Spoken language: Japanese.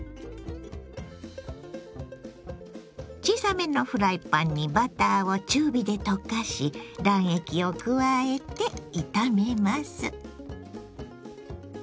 小さめのフライパンにバターを中火で溶かし卵液を加えて炒めます。